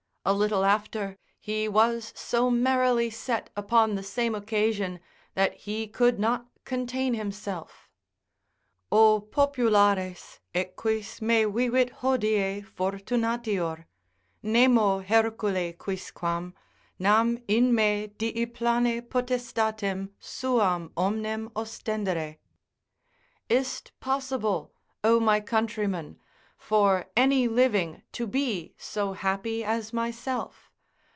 A little after, he was so merrily set upon the same occasion, that he could not contain himself. O populares, ecquis me vivit hodie fortunatior? Nemo hercule quisquam; nam in me dii plane potestatem Suam omnem ostendere; Is't possible (O my countrymen) for any living to be so happy as myself?